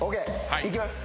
いきます。